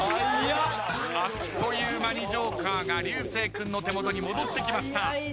あっという間にＪＯＫＥＲが流星君の手元に戻ってきました。